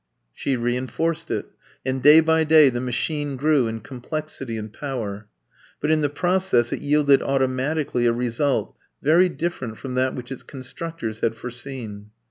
She reinforced it; and day by day the machine grew in complexity and power. But in the process it yielded automatically a result very different from that which its constructors had foreseen.